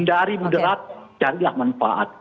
dari muderat carilah manfaat